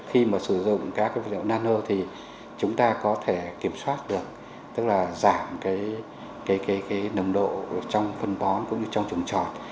khi mà sử dụng các vật liệu nano thì chúng ta có thể kiểm soát được tức là giảm cái nồng độ trong phân bón cũng như trong trồng trọt